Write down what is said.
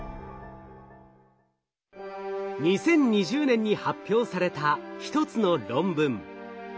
２０２０年に発表された一つの論文。